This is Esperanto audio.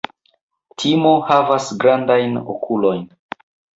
Timo havas grandajn okulojn.